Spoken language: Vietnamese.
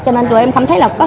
cho nên tụi em không thấy là